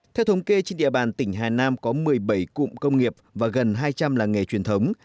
theo thống kê trên địa bàn tỉnh hà nam có một mươi bảy cụm công nghiệp và gần hai trăm linh làng nghề truyền thống